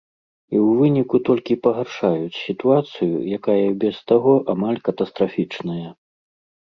І ў выніку толькі пагаршаюць сітуацыю, якая і без таго амаль катастрафічная.